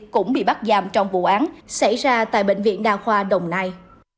cũng bị bắt giam trong vụ án xảy ra tại bệnh viện đa khoa đồng nai